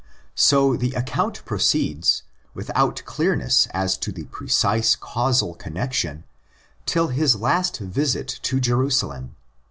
So the account proceeds, without clearness as to the precise causal connexion, till his last visit to Jerusalem.